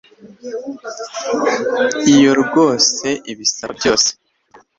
iyo rwose ibisaba byose